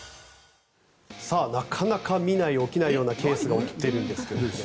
なかなか見ない起きないようなケースが起きているんですが。